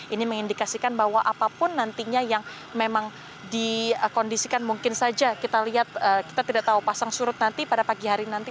ini mengindikasikan bahwa apapun nantinya yang memang dikondisikan mungkin saja kita lihat kita tidak tahu pasang surut nanti pada pagi hari nanti